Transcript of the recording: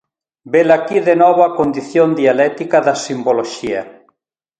Velaquí de novo a condición dialéctica da simboloxía.